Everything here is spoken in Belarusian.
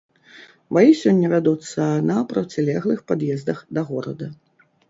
Баі сёння вядуцца на процілеглых пад'ездах да горада.